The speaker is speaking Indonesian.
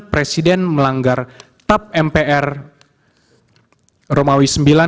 presiden melanggar tap mpr romawi sembilan